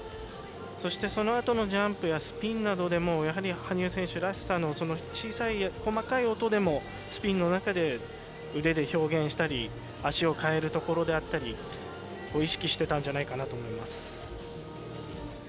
そしてそのあとのジャンプやスピンでもやはり羽生選手らしさの小さい、細かい音でもスピンの中で腕で表現したり足を換えるところであったりを意識してたんじゃないかなと思います。